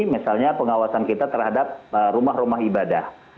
misalnya pengawasan kita terhadap rumah rumah ibadah